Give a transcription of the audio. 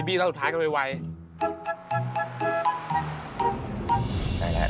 พี่ก๊อบทำไมไปไปเร็ว